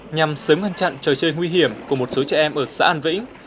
nhằm sớm ngăn chặn trò chơi nguy hiểm của một số trẻ em ở xã an vĩnh